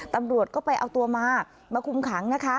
ตำรวจก็ไปเอาตัวมามาคุมขังนะคะ